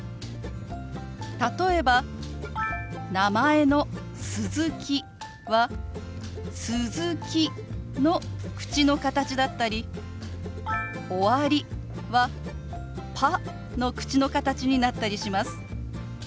例えば名前の「鈴木」は「すずき」の口の形だったり「終わり」は「パ」の口の形になったりします。